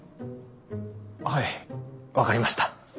はい分かりました。